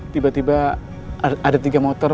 tiba tiba ada tiga motor